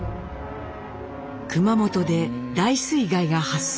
熊本で大水害が発生。